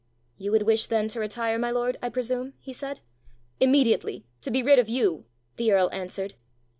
"You would wish then to retire, my lord, I presume?" he said. "Immediately to be rid of you!" the earl answered.